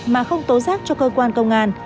mà không tố rác cho cơ quan công an